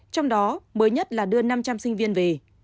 trong đó mới nhất là đưa năm trăm linh sinh viên về